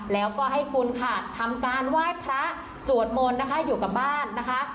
แล้วก็ให้คุณค่ะทำการไหว้พระสวดมนต์นะคะอยู่กับบ้านนะคะ